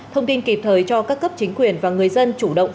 thông tin kịp thời cho các cấp chính quyền và người dân chủ động